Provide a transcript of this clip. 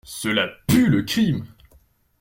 Cela pue le crime!